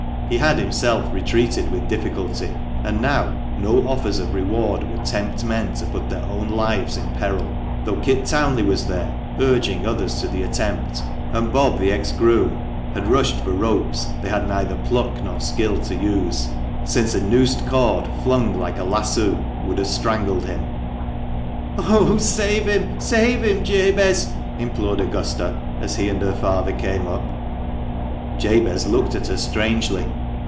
He had himself retreated with difficulty ; and now no offers of reward would tempt men to put their own lives in peril, though Kit Townley was there, urging others to the attempt, and Bob, the ex groom, had rushed for ropes they had neither pluck nor skill to use, since a noosed cord, flung like a lasso, would have strangled him. " Oh ! save him ; save him, Jabez !" implored Augusta, as he and her father came up. Jabez looked at her strangely.